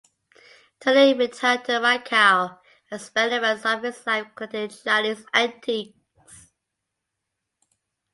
Toney retired to Macau and spent the rest of his life collecting Chinese antiques.